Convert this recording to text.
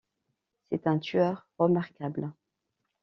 C’est un tueur remarquable.